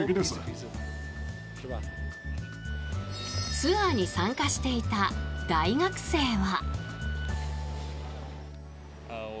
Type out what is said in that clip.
ツアーに参加していた大学生は。